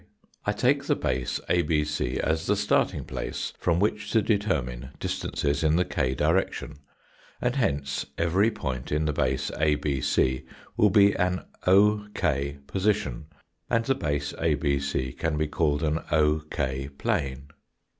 I take the base ABC as the starting place, from which to determine distances in the k direction, and hence every point in the base ABC will be an ok position, and the base ABC can be called an ok plane.